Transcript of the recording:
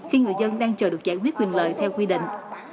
khi người dân đang chờ được giải quyết quyền lợi theo quy định